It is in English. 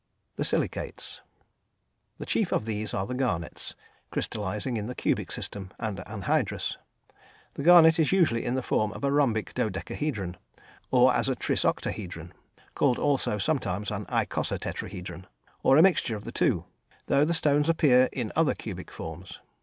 The Silicates. The chief of these are the garnets, crystallising in the cubic system, and anhydrous. The garnet is usually in the form of a rhombic dodecahedron, or as a trisoctahedron (called also sometimes an icosatetrahedron), or a mixture of the two, though the stones appear in other cubic forms.